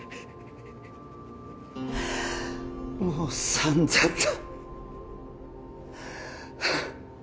もう散々だ